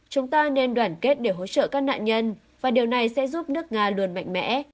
chúng ta nên đoàn kết để hỗ trợ các nạn nhân và điều này sẽ giúp nước nga luôn mạnh mẽ